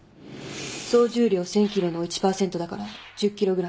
総重量１，０００ｋｇの１％だから１０ｋｇ。